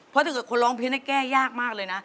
เพราะถ้าเกิดคนร้องเพลงแก้ยากมากเลยนะ